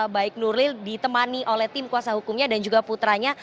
baik nuril ditemani oleh tim kuasa hukumnya dan juga putranya